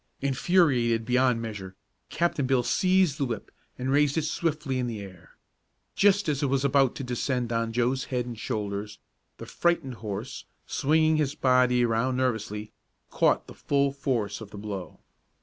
Infuriated beyond measure, Captain Bill seized the whip and raised it swiftly in the air. Just as it was about to descend on Joe's head and shoulders, the frightened horse, swinging his body around nervously, caught the full force of the blow.